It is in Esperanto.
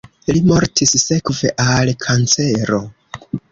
Li mortis sekve al kancero.